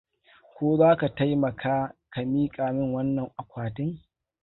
Ko za ka taimaka ka miƙa min wannan akwatin?